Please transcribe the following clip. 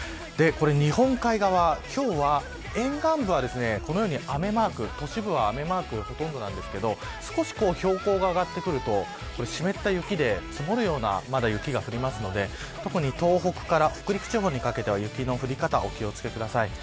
日本海側、今日は沿岸部は、このように雨マーク都市部は雨マークがほとんどですがもし標高が上がると湿った雪で積もるような雪がまだ降りますので特に東北から北陸地方にかけては雪の降り方お気を付けください。